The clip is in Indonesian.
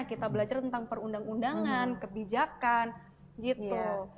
kita belajar tentang perundang undangan kebijakan gitu